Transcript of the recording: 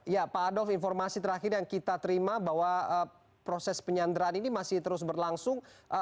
ya pak adof informasi terakhir yang kita terima bahwa proses penyanderaan ini masih terus berlangsung